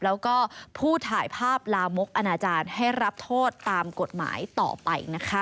แล้วก็ผู้ถ่ายภาพลามกอนาจารย์ให้รับโทษตามกฎหมายต่อไปนะคะ